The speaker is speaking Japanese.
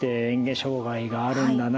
障害があるんだな。